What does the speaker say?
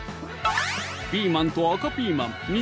ピーマンと赤ピーマン２